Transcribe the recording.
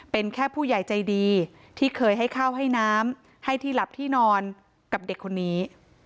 เป็นแค่ผู้ใหญ่ใจดีที่เคยให้ข้าวให้น้ำให้ที่หลับที่นอนกับเด็กคนนี้